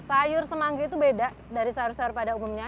sayur semanggi itu beda dari sayur sayur pada umumnya